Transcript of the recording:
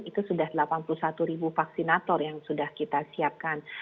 itu sudah delapan puluh satu ribu vaksinator yang sudah kita siapkan